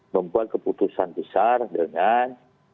membuat keputusan besar dengan